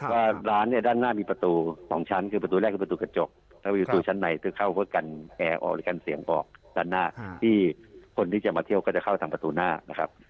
ว่าร้านเนี่ยด้านหน้ามีประตู๒ชั้นคือประตูแรกคือประตูกระจกแล้วประตูชั้นในเพื่อเข้าเพื่อกันแอร์ออกหรือกันเสียงออกด้านหน้าที่คนที่จะมาเที่ยวก็จะเข้าทางประตูหน้านะครับ